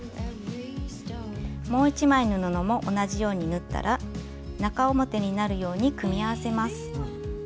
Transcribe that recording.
もう一枚の布も同じように縫ったら中表になるように組み合わせます。